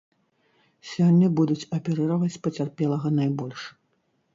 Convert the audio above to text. Сёння будуць аперыраваць пацярпелага найбольш.